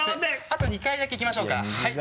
あと２回だけいきましょうかはい。